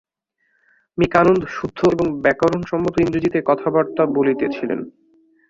Me কানন্দ শুদ্ধ এবং ব্যাকরণ-সম্মত ইংরেজীতে কথাবার্তা বলিতেছিলেন।